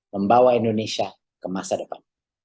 membawa indonesia ke masa depan